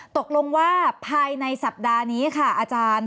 ตกลงว่าภายในสัปดาห์นี้ค่ะอาจารย์